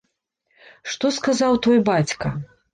Што сказаў твой бацька?